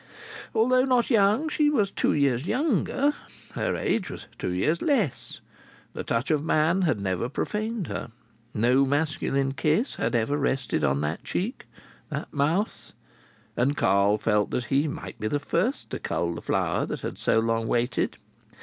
Although not young, she was two years younger. Her age was two years less. The touch of man had never profaned her. No masculine kiss had ever rested on that cheek, that mouth. And Carl felt that he might be the first to cull the flower that had so long waited.